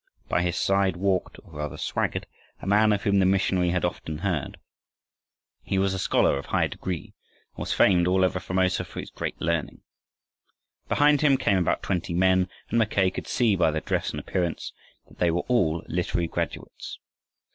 By his side walked, or rather, swaggered a man of whom the missionary had often heard. He was a scholar of high degree and was famed all over Formosa for his great learning. Behind him came about twenty men, and Mackay could see by their dress and appearance that they were all literary graduates.